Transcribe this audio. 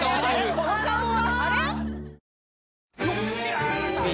この顔は？